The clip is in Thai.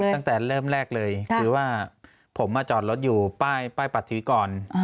ไม่ครับเอาตั้งแต่เริ่มแรกเลยคือว่าผมมาจอดรถอยู่ป้ายปัดทีก่อน